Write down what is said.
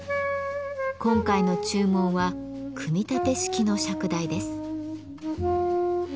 今回の注文は組み立て式の釈台です。